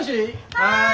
はい。